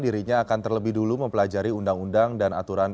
dirinya akan terlebih dulu mempelajari undang undang dan aturan